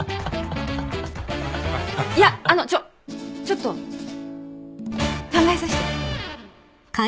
いやあのちょっちょっと考えさせて。